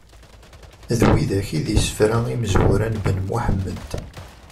D widak i d isefra imezwura n Ben Muḥemmed.